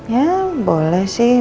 ya boleh sih